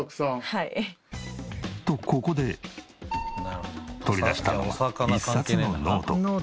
とここで取り出したのは一冊のノート。